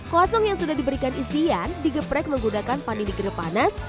croissant yang sudah diberikan isian digeprek menggunakan panini kering panas